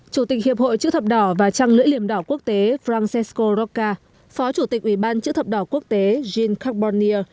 chủ tịch hiệp hội chữ thập đỏ và trăng lưỡi liềm đỏ quốc tế francensko roka phó chủ tịch ủy ban chữ thập đỏ quốc tế jean carbonier